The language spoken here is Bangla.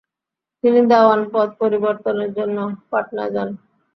তিনি দেওয়ান পদ পরিবর্তনের জন্য পাটনায় যান।